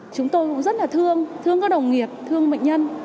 chúng tôi cũng rất là thương thương các đồng nghiệp thương bệnh nhân